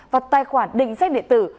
và tài khoản định danh điện tử